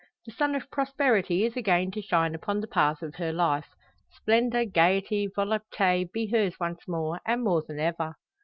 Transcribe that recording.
The sun of prosperity is again to shine upon the path of her life. Splendour, gaiety, volupte, be hers once more, and more than ever!